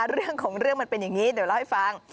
เรื่องของเรื่องมันเป็นอย่างนี้เดี๋ยวเล่าให้ฟัง